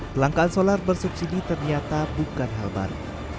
kelangkaan solar bersubsidi ternyata bukan hal baru